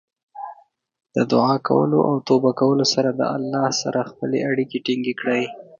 د دعا کولو او توبه کولو سره د الله سره خپلې اړیکې ټینګې کړئ.